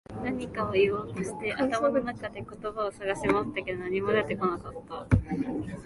何かを言おうとして、頭の中で言葉を探し回ったけど、何も出てこなかった。